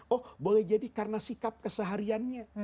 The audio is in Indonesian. oh boleh jadi karena sikap kesehariannya